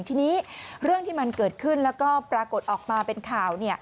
ทีนี้เรื่องที่มันเกิดขึ้นแล้วก็ปรากฏออกมาเป็นข่าว